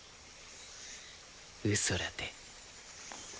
うそらて。